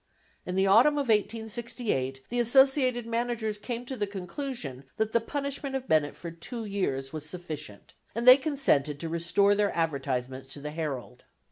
In the autumn of 1868, the associated managers came to the conclusion that the punishment of Bennett for two years was sufficient, and they consented to restore their advertisements to the Herald.